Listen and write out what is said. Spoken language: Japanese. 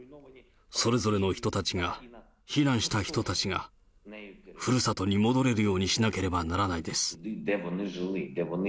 それぞれの人たちが、避難した人たちが、ふるさとに戻れるようにしなければならないです。